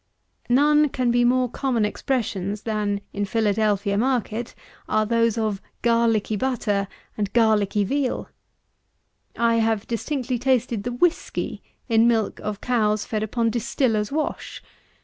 None can be more common expressions, than, in Philadelphia market, are those of Garlicky Butter and Garlicky Veal, I have distinctly tasted the Whiskey in milk of cows fed on distiller's wash.